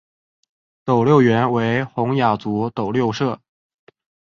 斗六原为洪雅族斗六社。